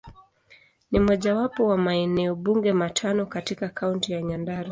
Ni mojawapo wa maeneo bunge matano katika Kaunti ya Nyandarua.